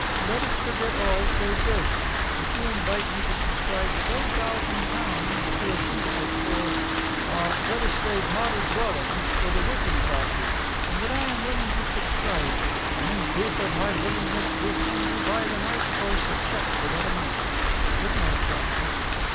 "Let us forget all, save this, that you invite me to subscribe £40,000 to a syndicate for ah let us say model dwellings for the working classes, and that I am willing to subscribe, and in proof of my willingness will send you by the night's post a cheque for that amount. Good night, doctor."